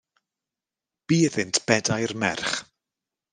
Bu iddynt bedair merch.